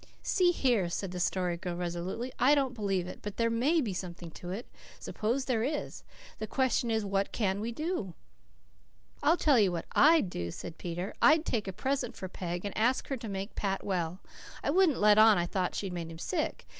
"See here," said the Story Girl resolutely, "I don't believe it, but there MAY be something in it. Suppose there is. The question is, what can we do?" "I'll tell you what I'D do," said Peter. "I'd take a present for Peg, and ask her to make Pat well. I wouldn't let on I thought she'd made him sick.